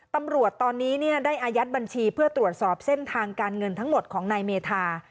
ตำรวจตอนนี้ได้อายัดบัญชีเพื่อตรวจสอบเส้นทางการเงินทั้งหมดของนายเมธา